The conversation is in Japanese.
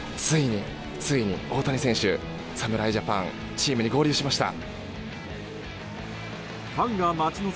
ついに大谷選手、侍ジャパンチームに合流しました。